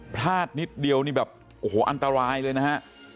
พลาดนิดเดียวนี่แบบโอ้โหอันตรายเลยนะฮะ